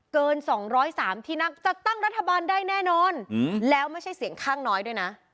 เกิน๒๐๓ที่นั่งจัดตั้งรัฐบาลได้แน่นอนแล้วไม่ใช่เสียงข้างน้อยด้วยนะ